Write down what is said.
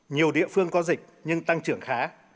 nhiều địa phương có dịch nhưng tăng trưởng khá